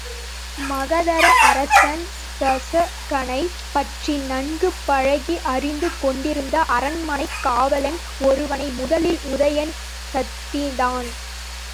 மகத அரசன் தருசகனைப் பற்றி நன்கு பழகி அறிந்து கொண்டிருந்த அரண்மனைக் காவலன் ஒருவனை முதலில் உதயணன் சந்தித்தான்.